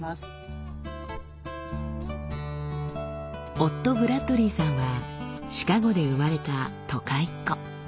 夫ブラッドリーさんはシカゴで生まれた都会っ子。